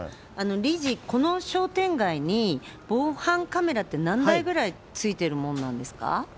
理事、この商店街に、防犯カメラって何台くらいついてるものなんですか？